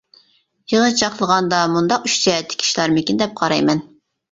يىغىنچاقلىغاندا مۇنداق ئۈچ جەھەتتىكى ئىشلارمىكىن دەپ قارايمەن.